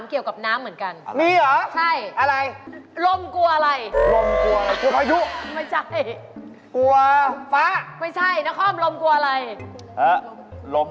เดี๋ยวเดี๋ยวพูดเคียงกัน